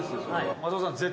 松尾さん。